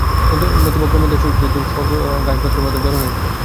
নতুবা ক্রমে দেশসুদ্ধ লোক জড় হয়ে যাবে, গাছ-পাথরের মত জড় হয়ে যাবে।